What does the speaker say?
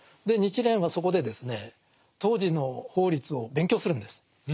で日蓮はそこでですね当時の法律を勉強するんです。